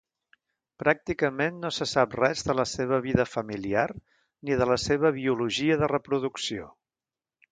Pràcticament no se sap res de la seva vida familiar ni de la seva biologia de reproducció.